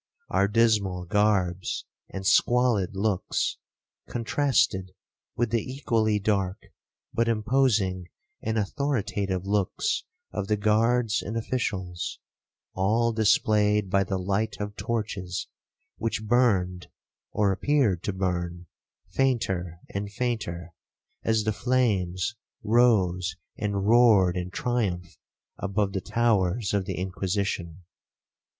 Our dismal garbs and squalid looks, contrasted with the equally dark, but imposing and authoritative looks of the guards and officials, all displayed by the light of torches, which burned, or appeared to burn, fainter and fainter, as the flames rose and roared in triumph above the towers of the Inquisition.